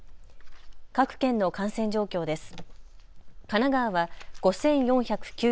各県の感染状況です。